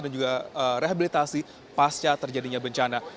dan juga rehabilitasi pasca terjadinya bencana